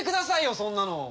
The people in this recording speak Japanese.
そんなの。